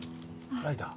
ライター？